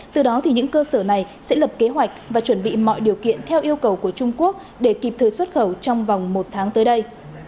từ đó những cơ sở này sẽ lập kế hoạch và chuẩn bị mọi điều kiện theo yêu cầu của trung quốc để kịp thời xuất khẩu trong vòng một tháng tới đây